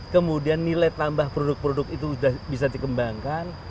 kemudian nilai tambah produk produk itu sudah bisa dikembangkan